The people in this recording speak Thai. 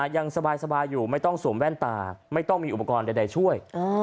ยังสบายอยู่ไม่ต้องสวมแว่นตาไม่ต้องมีอุปกรณ์ใดช่วย